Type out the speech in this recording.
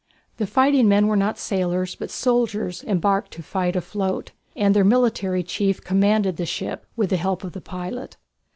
The fighting men were not sailors, but soldiers embarked to fight afloat, and their military chief commanded the ship, with the help of the pilot.